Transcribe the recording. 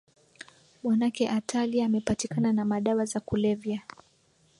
Bwanake Artalia amepatikana na madawa za kulevya.